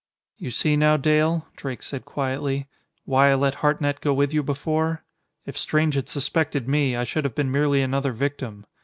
"You see now, Dale," Drake said quietly, "why I let Hartnett go with you before? If Strange had suspected me, I should have been merely another victim.